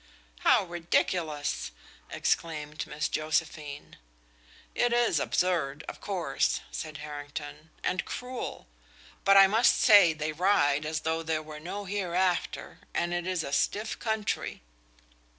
"How ridiculous!" exclaimed Miss Josephine. "It is absurd, of course," said Harrington, "and cruel. But I must say they ride as though there were no hereafter, and it is a stiff country."